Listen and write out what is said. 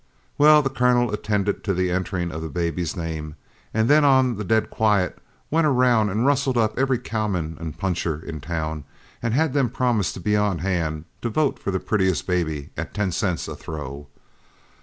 "Well, the Colonel attended to the entering of the baby's name, and then on the dead quiet went around and rustled up every cowman and puncher in town, and had them promise to be on hand, to vote for the prettiest baby at ten cents a throw.